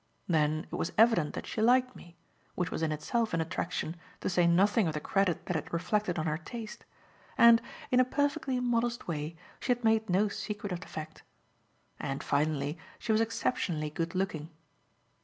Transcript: Then it was evident that she liked me which was in itself an attraction, to say nothing of the credit that it reflected on her taste and, in a perfectly modest way, she had made no secret of the fact. And finally, she was exceptionally good looking.